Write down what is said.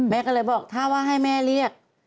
แม่ก็เลยบอกถ้าว่าให้แม่เรียก